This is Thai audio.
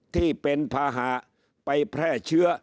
ที่เป็นภาหะไปแพร่เชื้อ